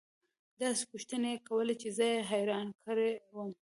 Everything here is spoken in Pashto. داسې پوښتنې يې كولې چې زه يې حيران كړى وم.